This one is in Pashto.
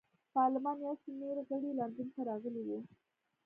پارلمان یو شمېر غړي لندن ته راغلي وو.